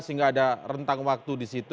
sehingga ada rentang waktu di situ